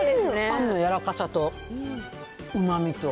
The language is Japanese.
パンの柔らかさとうまみと。